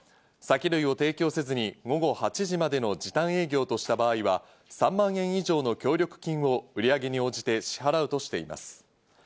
酒類を提供せずに午後８時までの時短営業とした場合は３万円以上の協力金を売上に応じて支払うとしています。